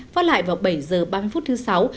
phát lại vào bảy h ba mươi phút thứ sáu